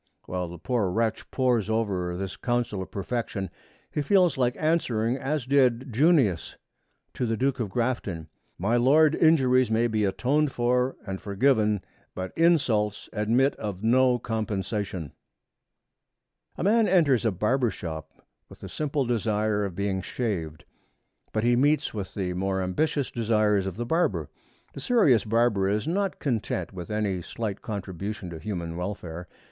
While the poor wretch pores over this counsel of perfection, he feels like answering as did Junius to the Duke of Grafton, 'My Lord, injuries may be atoned for and forgiven, but insults admit of no compensation.' A man enters a barber's shop with the simple desire of being shaved. But he meets with the more ambitious desires of the barber. The serious barber is not content with any slight contribution to human welfare.